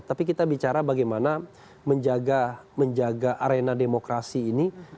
tapi kita bicara bagaimana menjaga arena demokrasi ini